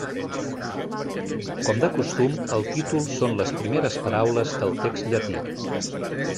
Com de costum el títol són les primeres paraules del text llatí.